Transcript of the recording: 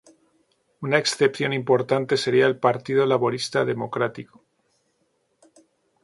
Una excepción importante sería el Partido Laborista Democrático.